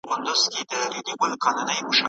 ¬ کوز په ټوخي نه ورکېږي.